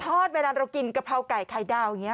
อดเวลาเรากินกะเพราไก่ไข่ดาวอย่างนี้